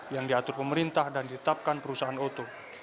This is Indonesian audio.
yang diatur pemerintah dan ditetapkan perusahaan oto